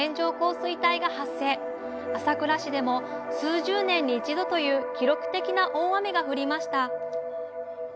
朝倉市でも数十年に一度という記録的な大雨が降りました